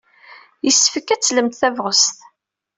Yessefk ad tlemt tabɣest.